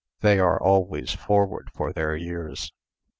They are always forward for their years.